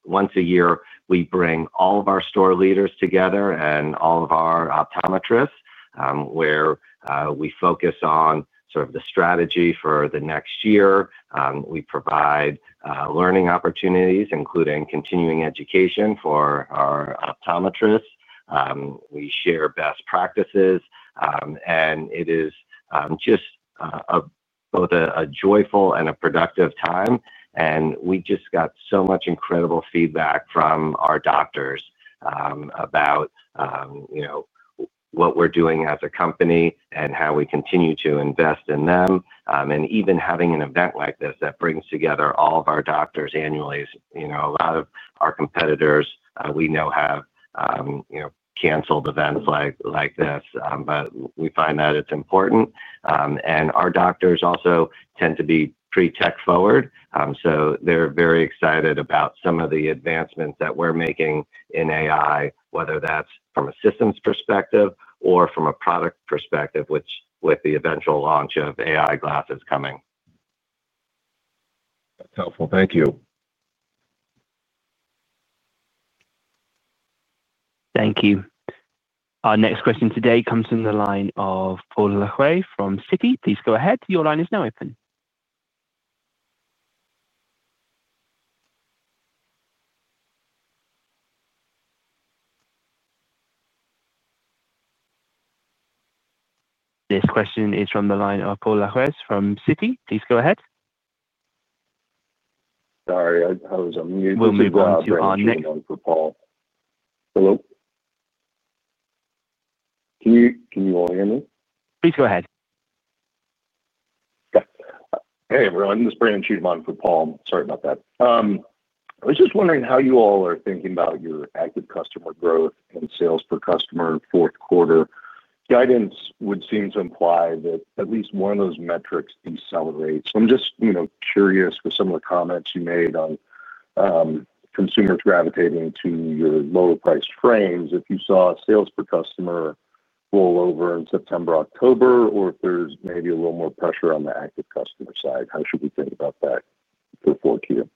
Once a year, we bring all of our store leaders together and all of our Optometrists, where we focus on sort of the strategy for the next year. We provide learning opportunities, including continuing education for our Optometrists. We share best practices. It is just both a joyful and a productive time. We just got so much incredible feedback from our doctors about. What we're doing as a company and how we continue to invest in them. Even having an event like this that brings together all of our doctors annually, a lot of our competitors we know have canceled events like this. We find that it's important. Our doctors also tend to be pretty tech-forward. They're very excited about some of the advancements that we're making in AI, whether that's from a systems perspective or from a product perspective, with the eventual launch of AI Glasses coming.
That's helpful. Thank you.
Thank you. Our next question today comes from the line of Paul Lahue from Citi. Please go ahead. Your line is now open. This question is from the line of Paul Lahue from Citi. Please go ahead.
Sorry, I was on mute.
We'll move on to our next. I'm just checking on for Paul. Hello?
Can you all hear me?
Please go ahead.
Okay. Hey, everyone. This is Brandon Cheatham from Paul. Sorry about that. I was just wondering how you all are thinking about your active customer growth and sales per customer fourth quarter. Guidance would seem to imply that at least one of those metrics decelerates. I'm just curious with some of the comments you made on consumers gravitating to your lower-priced frames, if you saw a sales per customer roll over in September, October, or if there's maybe a little more pressure on the active customer side, how should we think about that for you?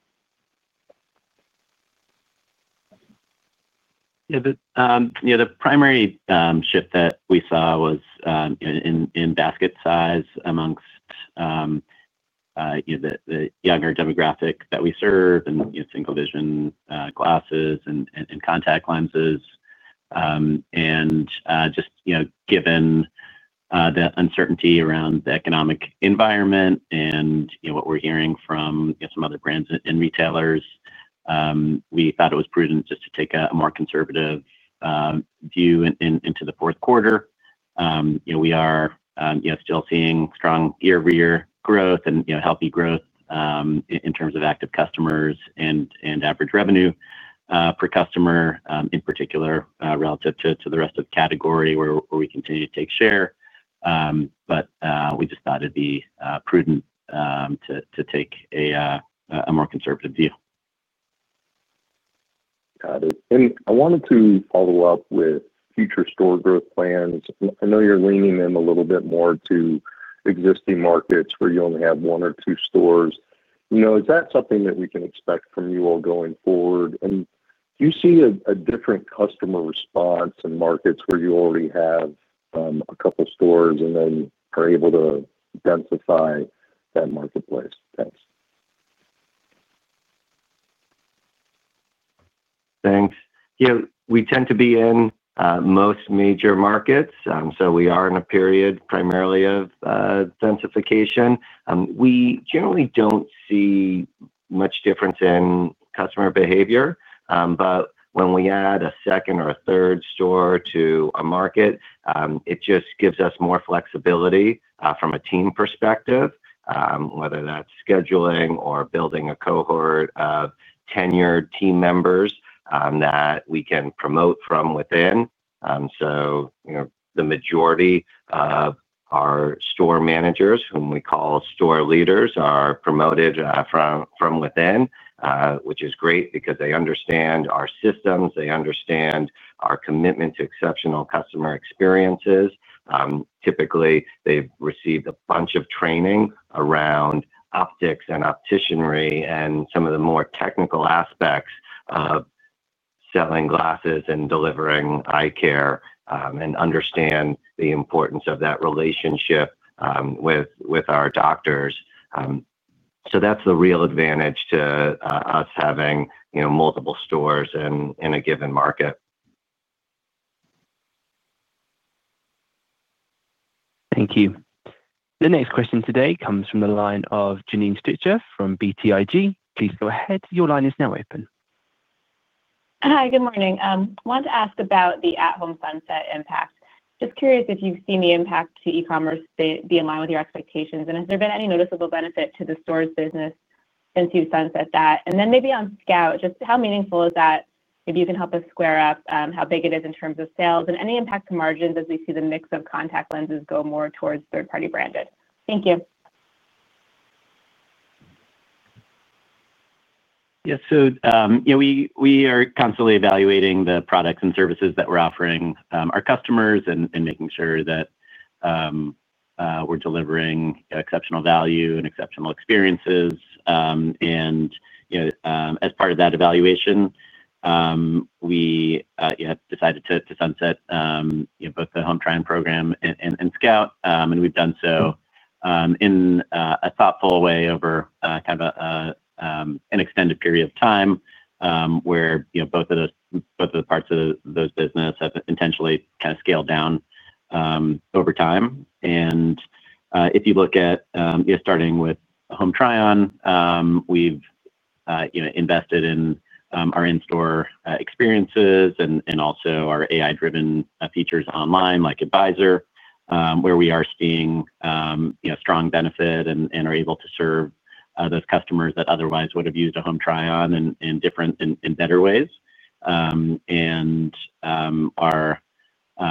Yeah. The primary shift that we saw was in basket size amongst the younger demographic that we serve and single-vision glasses and contact lenses. Just given the uncertainty around the economic environment and what we're hearing from some other brands and retailers, we thought it was prudent just to take a more conservative view into the fourth quarter. We are still seeing strong year-over-year growth and healthy growth in terms of active customers and average revenue per customer, in particular relative to the rest of the category where we continue to take share. We just thought it'd be prudent to take a more conservative view.
Got it. I wanted to follow up with future store growth plans. I know you're leaning them a little bit more to existing markets where you only have one or two stores. Is that something that we can expect from you all going forward? Do you see a different customer response in markets where you already have a couple of stores and then are able to densify that marketplace? Thanks.
Thanks. We tend to be in most major markets. We are in a period primarily of densification. We generally do not see much difference in customer behavior. When we add a second or a third store to a market, it just gives us more flexibility from a team perspective, whether that is scheduling or building a cohort of tenured team members that we can promote from within. The majority of our store managers, whom we call store leaders, are promoted from within, which is great because they understand our systems. They understand our commitment to exceptional customer experiences. Typically, they have received a bunch of training around optics and opticianry and some of the more technical aspects of selling glasses and delivering eye care and understand the importance of that relationship with our doctors. That is the real advantage to us having multiple stores in a given market.
Thank you.
The next question today comes from the line of Janine Stichter from BTIG. Please go ahead. Your line is now open.
Hi, good morning. I wanted to ask about the at-home sunset impact. Just curious if you've seen the impact to e-commerce be in line with your expectations. Has there been any noticeable benefit to the store's business since you've sunset that? Maybe on Scout, just how meaningful is that? Maybe you can help us square up how big it is in terms of sales and any impact to margins as we see the mix of contact lenses go more towards third-party branded. Thank you.
Yeah. We are constantly evaluating the products and services that we're offering our customers and making sure that we're delivering exceptional value and exceptional experiences. As part of that evaluation, we have decided to sunset both the Home Try-On program and Scout. We've done so in a thoughtful way over kind of an extended period of time, where both of the parts of those businesses have intentionally kind of scaled down over time. If you look at starting with Home Try-On, we've invested in our in-store experiences and also our AI-driven features online like Advisor, where we are seeing strong benefit and are able to serve those customers that otherwise would have used a Home Try-On in better ways. We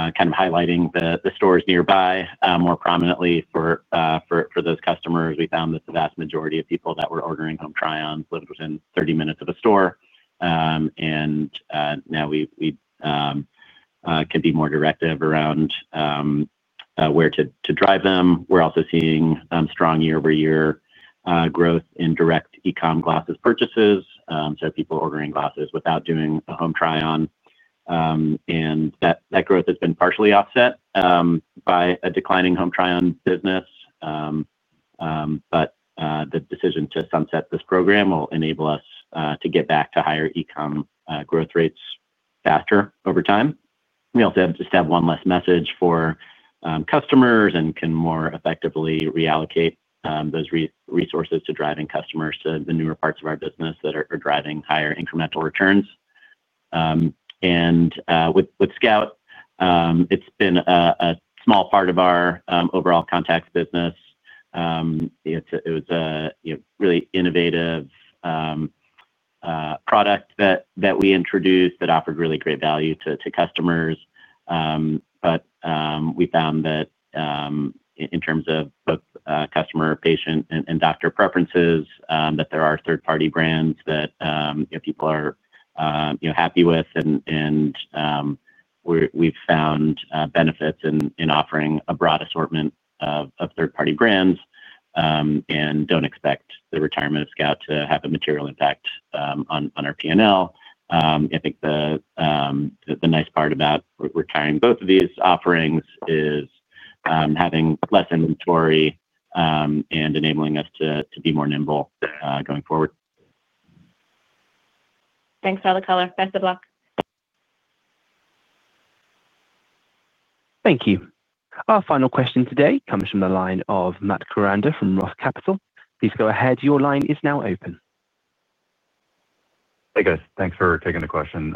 are kind of highlighting the stores nearby more prominently for those customers. We found that the vast majority of people that were ordering Home Try-Ons lived within 30 minutes of a store. Now we can be more directive around where to drive them. We're also seeing strong year-over-year growth in direct e-com glasses purchases, so people ordering glasses without doing a Home Try-On. That growth has been partially offset by a declining Home Try-On business. The decision to sunset this program will enable us to get back to higher e-com growth rates faster over time. We also just have one last message for customers and can more effectively reallocate those resources to driving customers to the newer parts of our business that are driving higher incremental returns. With Scout, it's been a small part of our overall contact business. It was a really innovative product that we introduced that offered really great value to customers. We found that. In terms of both customer, patient, and doctor preferences, there are third-party brands that people are happy with. We have found benefits in offering a broad assortment of third-party brands and do not expect the retirement of Scout to have a material impact on our P&L. I think the nice part about retiring both of these offerings is having less inventory and enabling us to be more nimble going forward.
Thanks, Dave. Best of luck.
Thank you. Our final question today comes from the line of Matt Kuranda from Roth Capital. Please go ahead. Your line is now open.
Hey, guys. Thanks for taking the question.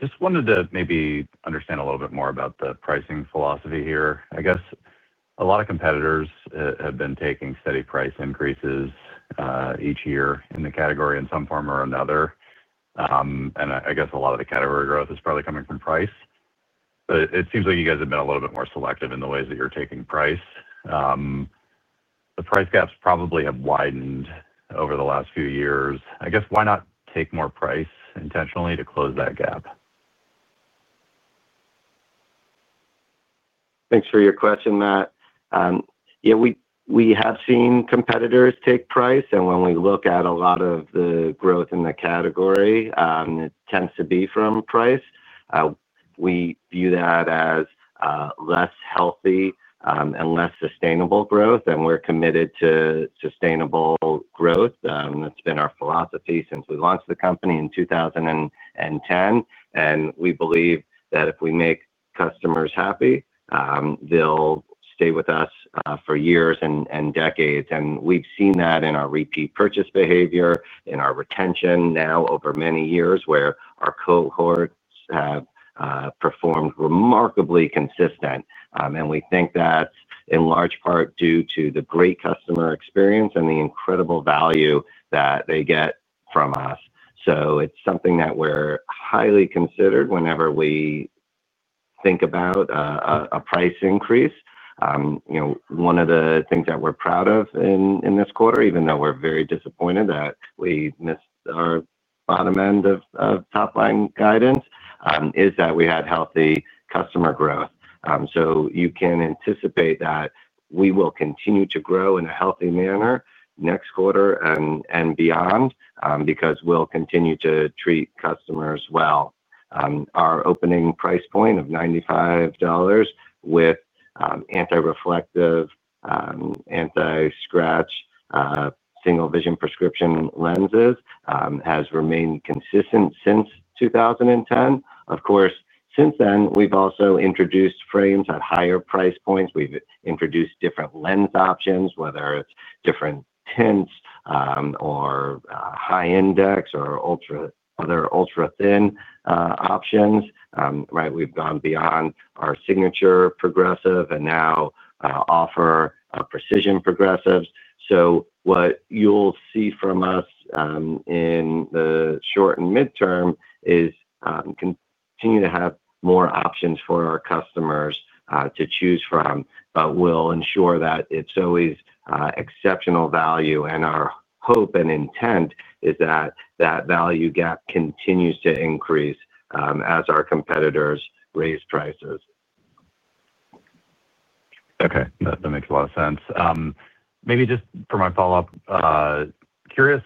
Just wanted to maybe understand a little bit more about the pricing philosophy here. I guess a lot of competitors have been taking steady price increases each year in the category in some form or another. I guess a lot of the category growth is probably coming from price. It seems like you guys have been a little bit more selective in the ways that you're taking price. The price gaps probably have widened over the last few years. I guess why not take more price intentionally to close that gap?
Thanks for your question, Matt. Yeah, we have seen competitors take price. When we look at a lot of the growth in the category, it tends to be from price. We view that as less healthy and less sustainable growth. We are committed to sustainable growth. That's been our philosophy since we launched the company in 2010. We believe that if we make customers happy, they'll stay with us for years and decades. We've seen that in our repeat purchase behavior, in our retention now over many years where our cohorts have performed remarkably consistent. We think that's in large part due to the great customer experience and the incredible value that they get from us. It is something that we highly consider whenever we think about a price increase. One of the things that we're proud of in this quarter, even though we're very disappointed that we missed our bottom end of top-line guidance, is that we had healthy customer growth. You can anticipate that we will continue to grow in a healthy manner next quarter and beyond because we'll continue to treat customers well. Our opening price point of $95 with anti-reflective, anti-scratch, single-vision prescription lenses has remained consistent since 2010. Of course, since then, we've also introduced frames at higher price points. We've introduced different lens options, whether it's different tints or high index or other ultra-thin options. We've gone beyond our signature progressive and now offer precision Progressives. What you'll see from us in the short and midterm is we will continue to have more options for our customers to choose from. We'll ensure that it's always exceptional value. Our hope and intent is that that value gap continues to increase as our competitors raise prices.
Okay. That makes a lot of sense. Maybe just for my follow-up. Curious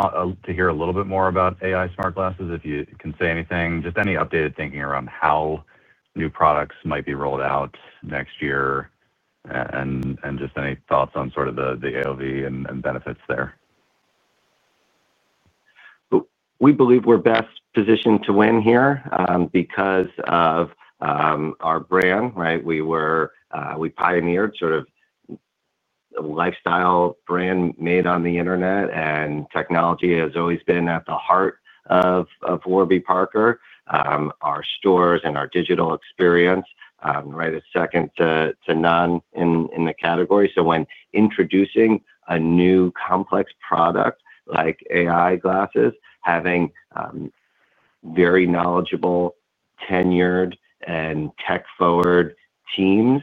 to hear a little bit more about AI smart glasses, if you can say anything. Just any updated thinking around how new products might be rolled out next year. Just any thoughts on sort of the AOV and benefits there.
We believe we're best positioned to win here because of our brand. We pioneered sort of a lifestyle brand made on the internet, and technology has always been at the heart of Warby Parker. Our stores and our digital experience is second to none in the category. When introducing a new complex product like AI Glasses, having very knowledgeable, tenured, and tech-forward teams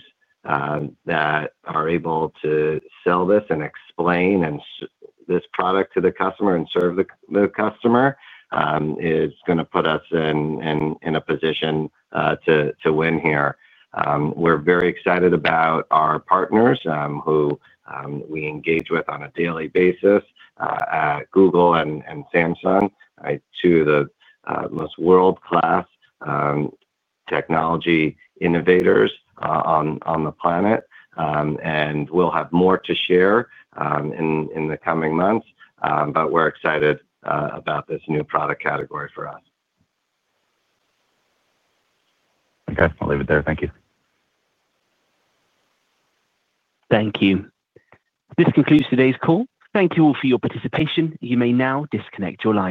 that are able to sell this and explain this product to the customer and serve the customer is going to put us in a position to win here. We're very excited about our partners who we engage with on a daily basis at Google and Samsung, two of the most world-class technology innovators on the planet. We'll have more to share in the coming months. We're excited about this new product category for us.
Okay. I'll leave it there. Thank you.
Thank you. This concludes today's call. Thank you all for your participation. You may now disconnect your line.